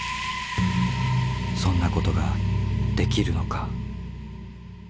そんなことができるのか。